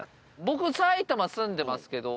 僕埼玉住んでますけど。